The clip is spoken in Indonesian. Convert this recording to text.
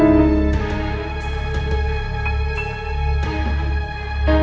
kan haris kita kok gak bisa ebet si grit